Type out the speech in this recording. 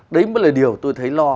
đấy mới là điều tôi thấy lo